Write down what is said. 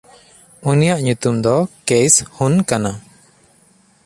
ᱩᱱᱤᱭᱟᱜ ᱧᱩᱛᱩᱢ ᱫᱚ ᱠᱮᱭᱥᱦᱩᱱ ᱠᱟᱱᱟ᱾